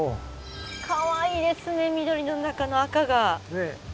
かわいいですね緑の中の赤が。